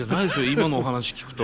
今のお話聞くと。